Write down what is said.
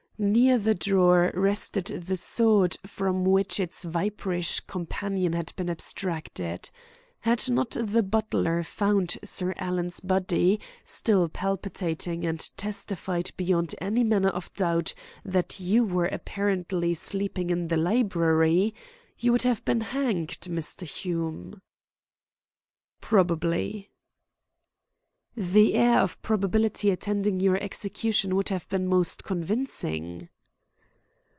Near the drawer rested the sword from which its viperish companion had been abstracted. Had not the butler found Sir Alan's body, still palpitating, and testified beyond any manner of doubt that you were apparently sleeping in the library, you would have been hanged, Mr. Hume." "Probably." "The air of probability attending your execution would have been most convincing."